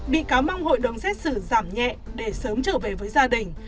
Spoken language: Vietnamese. bị cáo mong hội đồng xét xử giảm nhẹ để sớm trở về với gia đình